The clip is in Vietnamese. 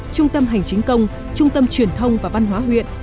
trung tâm hành chính công trung tâm truyền thông và văn hóa huyện